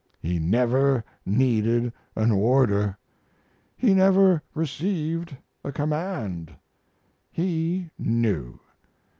He never needed an order; he never received a command. He knew.